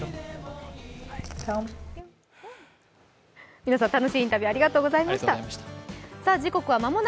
皆さん、楽しいインタビューありがとうございました。